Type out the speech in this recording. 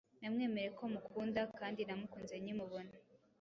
Namwemereye ko mukunda kandi namukunze nkimubona